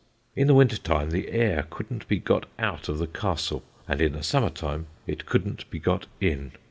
In the winter time the air couldn't be got out of the Castle, and in the summer time it couldn't be got in.